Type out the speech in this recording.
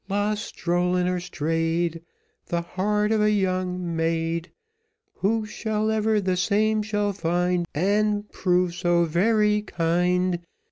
Lost, stolen, or strayed, The heart of a young maid; Whoever the same shall find, And prove so very kind.